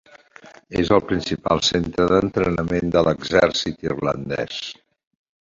És el principal centre d'entrenament de l'Exèrcit Irlandès.